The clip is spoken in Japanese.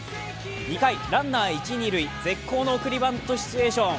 ２回、ランナー一・二塁絶好の送りバントシチュエーション。